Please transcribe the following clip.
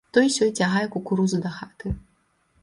Той-сёй цягае кукурузу дахаты.